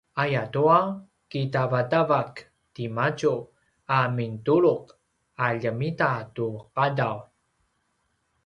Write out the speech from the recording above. ayatua kitavatavak timadju a mintulu’ a ljemita tu ’adav